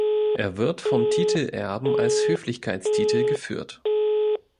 Er wird vom Titelerben als Höflichkeitstitel geführt.